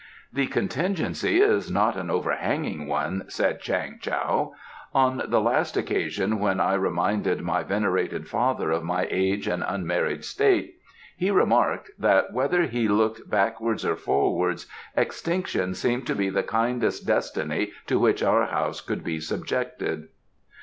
"The contingency is not an overhanging one," said Chang Tao. "On the last occasion when I reminded my venerated father of my age and unmarried state, he remarked that, whether he looked backwards or forwards, extinction seemed to be the kindest destiny to which our House could be subjected."